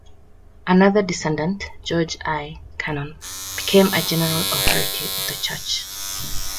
Another descendant, George I. Cannon, became a general authority of the church.